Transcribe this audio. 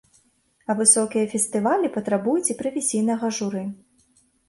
А высокія фестывалі патрабуюць і прафесійнага журы.